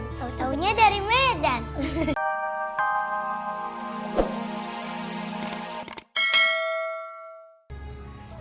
tau taunya dari medan